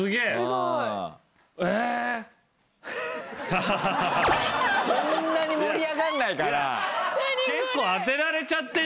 そんなに盛り上がんないから。